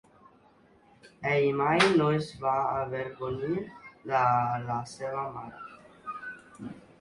Ell mai no es va avergonyir de la seva mare.